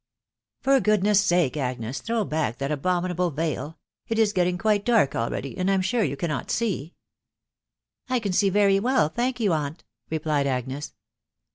" For goodness' sake, Agnea> throw back thai aheninmbk Teil ; it is getting quite dark already, and I'm sure you can* «ot see." " I can see very well, thank yen, aunt/" replied Agnes.